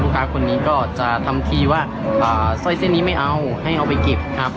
ค้าคนนี้ก็จะทำทีว่าสร้อยเส้นนี้ไม่เอาให้เอาไปเก็บครับ